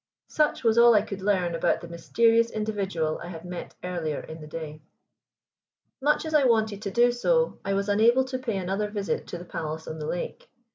Such was all I could learn about the mysterious individual I had met earlier in the day. Much as I wanted to do so, I was unable to pay another visit to the palace on the lake.